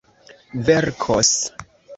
verkos